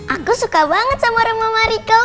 aku suka banget sama roma mariko